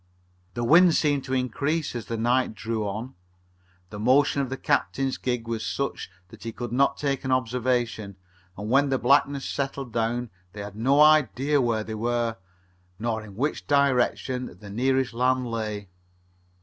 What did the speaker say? The wind seemed to increase as night drew on. The motion of the captain's gig was such that he could not take an observation, and, when the blackness settled down, they had no idea where they were, nor in which direction the nearest land lay.